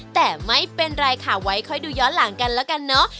แต่ไม่เป็นไรค่ะไว้ค่อยดูย้อนหลังกันแล้วกันเนอะ